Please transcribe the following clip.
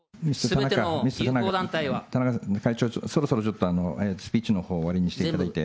田中会長、そろそろちょっとスピーチのほう終わりにしていただいて。